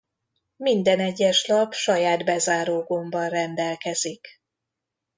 Minden egyes lap saját bezáró gombbal rendelkezik.